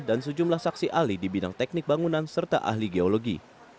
dan sejumlah saksi alih di bidang teknik bangunan serta ahli geologi